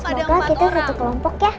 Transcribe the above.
padahal kita satu kelompok ya